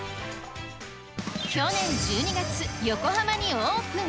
去年１２月、横浜にオープン。